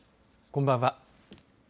こんばんは。